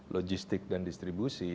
logistik dan distribusi